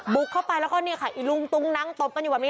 บุกเข้าไปแล้วก็เนี่ยค่ะอีลุงตุงนังตบกันอยู่แบบนี้